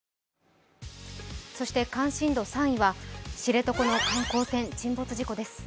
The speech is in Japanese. そして関心度３位は知床の観光船沈没事故です。